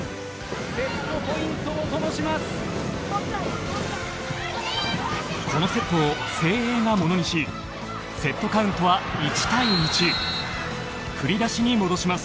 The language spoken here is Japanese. セットポイントを灯します。